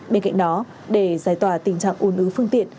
bên cạnh đó để giải tỏa tình trạng ồn ứ phương tiện